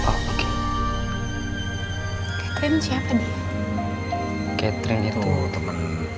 tapi kan dia di atangnya saatnya itu gak tepat